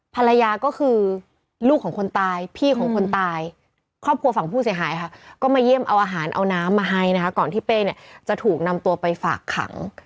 ภรรยาก็คือลูกของคนตายพี่ของคนตายครอบครัวฝั่งผู้เสียหายค่ะก็มาเยี่ยมเอาอาหารเอาน้ำมาให้นะคะก่อนที่เป้เนี่ยจะถูกนำตัวไปฝากขัง